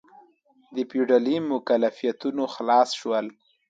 د فیوډالي مکلفیتونو خلاص شول.